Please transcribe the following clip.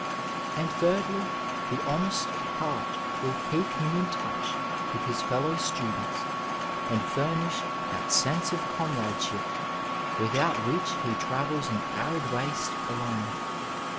And, thirdly, the honest heart will keep him in touch with his fellow students, and furnish that sense of comradeship without which he travels an arid waste alone.